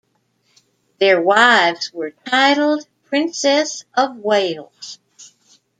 Their wives were titled Princess of Wales.